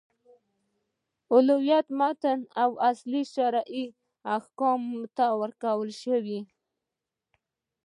اولویت متن او اصلي شرعي احکامو ته ورکړل شوی.